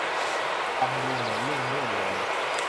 ฟังดูเหมือนเรื่องเลื่อนลอย